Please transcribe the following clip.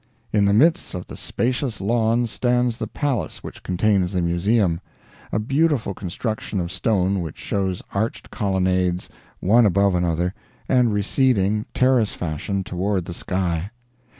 In the midst of the spacious lawns stands the palace which contains the museum a beautiful construction of stone which shows arched colonnades, one above another, and receding, terrace fashion, toward the sky.